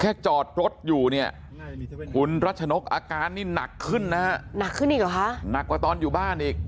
จอดรถอยู่เนี่ยคุณรัชนกอาการนี่หนักขึ้นนะฮะหนักขึ้นอีกเหรอคะหนักกว่าตอนอยู่บ้านอีก